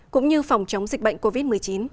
cũng như phòng chống dịch bệnh covid một mươi chín